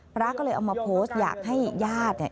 พระก็เลยเอามาโพสต์อยากให้ญาติเนี่ย